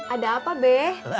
ada apa be